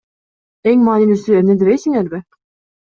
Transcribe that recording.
Эң маанилүүсү эмне дебейсиңерби?